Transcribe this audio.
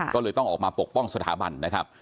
ก็เลยต้องออกมาปกป้องสถาบันนะครับ